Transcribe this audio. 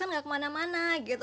karena kemana mana gitu